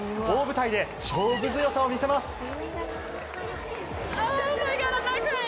大舞台で勝負強さを見せます。